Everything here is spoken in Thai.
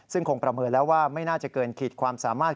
ซึ่งคงประเมินแล้วว่าไม่น่าจะเกินขีดความสามารถ